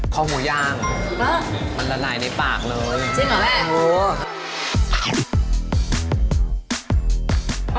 คอหมูย่างมันละลายในปากเลยจริงเหรอแม่